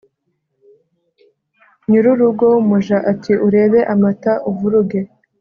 nyir'urugo w'umuja ati 'urebe amata uvuruge